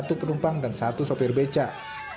satu penumpang dan satu sopir becak